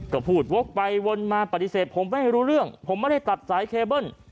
ก็พูดวกไปวนมาปฏิเสธผมไม่รู้เรื่องผมไม่ได้ตัดสายเคเบิ้ล